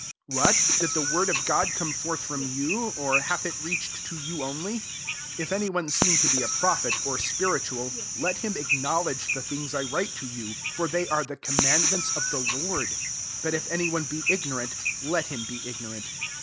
36 What ? did the word of God come forth from you? or hath it reached to you only ? S7 If any one seem to be a prophet, dr spiritual, let him acknow ledge the things I write to you, for they are the command ments of the Lord. 38 But if any one be ignorant, let him be ignorant.